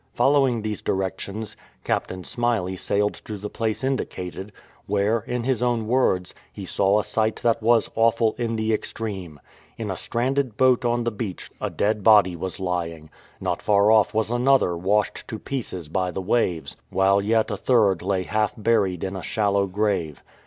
Following these directions, Captain Smyley sailed to the place indicated, where, in his own words, he saw a sight that was "awful in the 252 VISIT OF THE "DIDO" extreme.' In a stranded boat on the beach a dead body was lying; not far off was another washed to pieces by the waves ; while yet a third lay half buried in a shallow grave.